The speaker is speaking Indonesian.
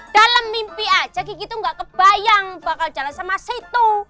dalam mimpi aja kiki tuh nggak kebayang bakal jalan sama situ